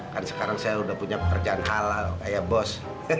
kan sekarang saya sudah punya pekerjaan halal kayak bos